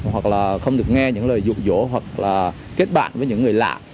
hoặc là không được nghe những lời dụng dỗ hoặc là kết bản với những người lạ